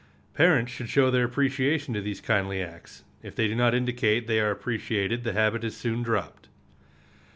Parents should show their appreciation of these kindly acts. If they do not indicate that they are appreciated the habit is soon dropped.